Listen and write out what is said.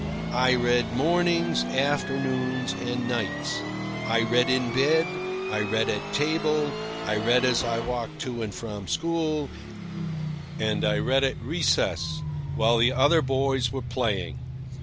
I read mornings, afternoons, and nights. I read in bed, I read at table, I read as I walked to and from school, and I read at recess while the other boys were playing.